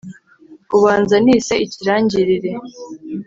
ubanza nise ikirangirire